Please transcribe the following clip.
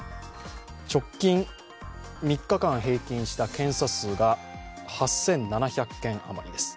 直近３日間平均した検査数が８７００件余りです。